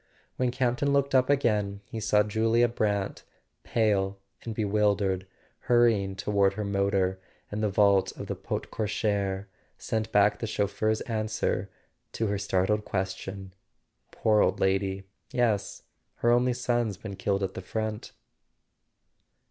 When Campton looked up again he saw Julia Brant, pale and bewildered, hurrying toward her motor, and the vault of the porte cochere sent back the chauf¬ feur's answer to her startled question: "Poor old lady— yes, her only son's been killed at the front."